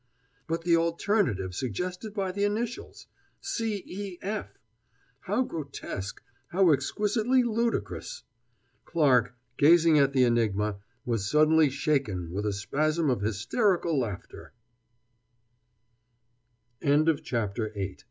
But the alternative suggested by the initials! C. E. F.! How grotesque, how exquisitely ludicrous! Clarke, gazing at the enigma, was suddenly shaken with a spasm of hysterical laughte